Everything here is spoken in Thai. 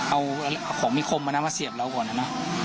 เอาของมีคมมานะมาเสียบเราก่อนนะ